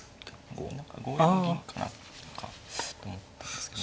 ５四銀かなとかと思ったんですけど